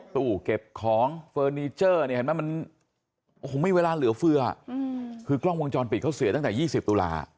ตู้เก็บของเฟอร์นีเจอร์มีเวลาเหลือเฟื่อคือกล้องวงจรปิดเขาเสียตั้งแต่๒๐ตุลาคม